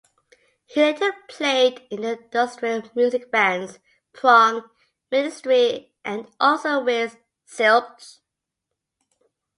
He later played in the industrial music bands Prong, Ministry, and also with Zilch.